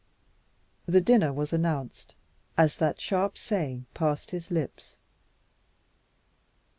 The dinner was announced as that sharp saying passed his lips.